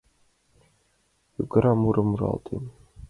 Йорга мурым муралтем.